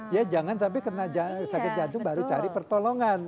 ya jangan sampai kena sakit jantung baru cari pertolongan